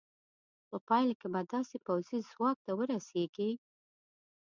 په پایله کې به داسې پوځي ځواک ته ورسېږې.